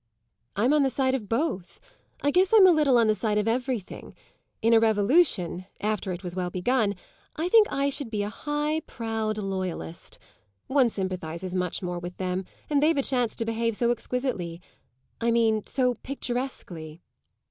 "I'm on the side of both. I guess I'm a little on the side of everything. In a revolution after it was well begun I think I should be a high, proud loyalist. One sympathises more with them, and they've a chance to behave so exquisitely. I mean so picturesquely."